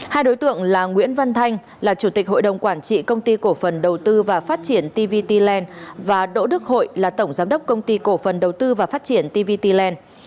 hai đối tượng là nguyễn văn thanh là chủ tịch hội đồng quản trị công ty cổ phần đầu tư và phát triển tvtland và đỗ đức hội là tổng giám đốc công ty cổ phần đầu tư và phát triển tvtland